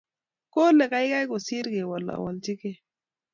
kole keikei kosiir kowolowolchikei